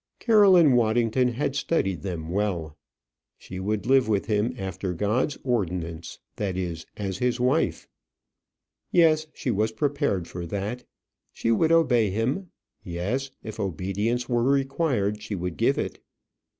Caroline Waddington had studied them well. She would live with him after God's ordinance; that is, as his wife. Yes, she was prepared for that. She would obey him. Yes; if obedience were required, she would give it.